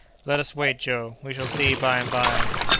"Let us wait, Joe! we shall see by and by."